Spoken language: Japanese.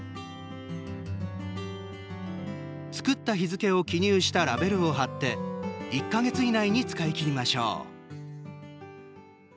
作った日付を記入したラベルを貼って１か月以内に使い切りましょう。